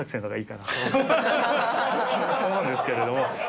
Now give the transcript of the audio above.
思うんですけれども。